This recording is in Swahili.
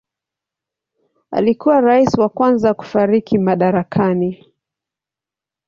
Alikuwa rais wa kwanza kufariki madarakani.